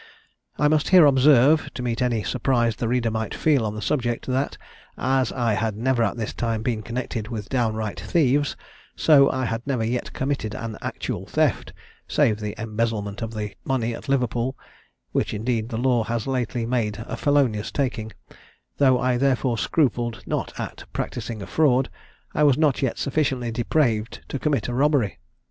"I must here observe, to meet any surprise the reader might feel on the subject, that, as I had never at this time been connected with downright thieves, so I had never yet committed an actual theft, save the embezzlement of money at Liverpool; (which indeed the law has lately made a felonious taking;) though I therefore scrupled not at practising a fraud, I was not yet sufficiently depraved to commit a robbery.